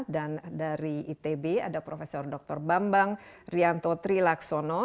dan dari itb ada prof dr bambang rianto trilaksono